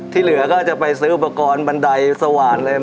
เหลือก็จะไปซื้ออุปกรณ์บันไดสว่านอะไร